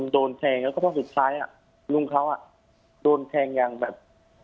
โดนแทงแล้วก็พอสุดท้ายลุงเขาโดนแทงอย่างแบบ